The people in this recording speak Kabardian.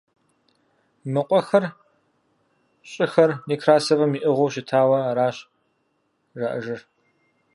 Мы къуэхэр, щӀыхэр Некрасовым иӀыгъыу щытауэ аращ жаӀэжыр.